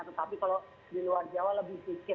tetapi kalau di luar jawa lebih sedikit